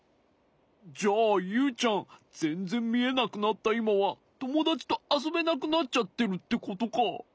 じゃあユウちゃんぜんぜんみえなくなったいまはともだちとあそべなくなっちゃってるってことか？